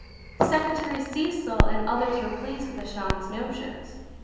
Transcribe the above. Secretary Cecil and others were pleased with Ascham's notions.